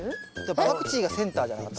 パクチーがセンターじゃなかった？